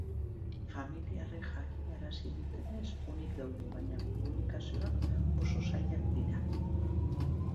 Familiarrek jakinarazi dutenez, onik daude, baina komunikazioak oso zailak dira.